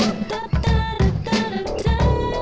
kami berdua di tangkapan